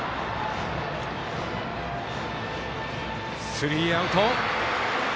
スリーアウト。